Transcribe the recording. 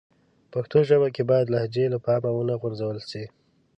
په پښتو ژبه کښي بايد لهجې له پامه و نه غورځول سي.